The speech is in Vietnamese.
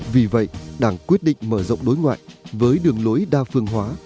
vì vậy đảng quyết định mở rộng đối ngoại với đường lối đa phương hóa